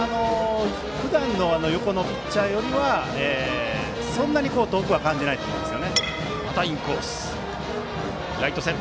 ふだんの横のピッチャーよりはそんなに遠くは感じないです。